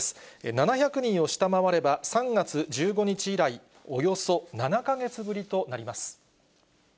７００人を下回れば、３月１５日以来、およそ７か月ぶりとなります。